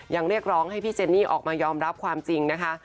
เรียกร้องให้พี่เจนนี่ออกมายอมรับความจริงนะคะ